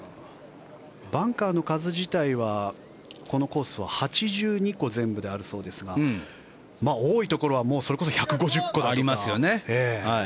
バンカーの数自体はこのコースは８２個、全部であるそうですが多いところはそれこそ１５０個だとか。